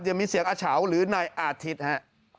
ยังมีเสียงอาเฉาหรือนายอาทิตย์ฮะ